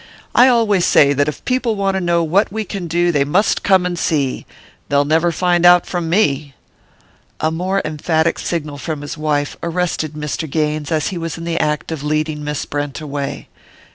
I always say that if people want to know what we can do they must come and see they'll never find out from me!" A more emphatic signal from his wife arrested Mr. Gaines as he was in the act of leading Miss Brent away.